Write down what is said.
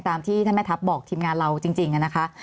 ตามที่ท่านแม่ทัพบอกทีมงานเราจริงนะคะ